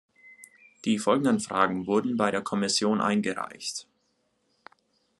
Die folgenden Fragen wurden bei der Kommission eingereicht.